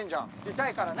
痛いからね。